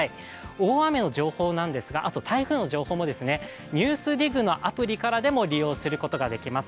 大雨の情報なんですがあと台風の情報ですね、「ＮＥＷＳＤＩＧ」のアプリからもご利用することができます。